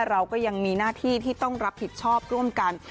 เราก็ยังมีหน้าที่ที่ต้องรับผิดชอบร่วมกัน